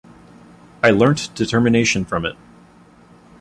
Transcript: I learnt determination from it.